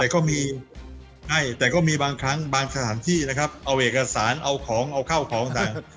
ก็มีให้แต่ก็มีบางครั้งบางสถานที่นะครับเอาเอกสารเอาของเอาเข้าของต่าง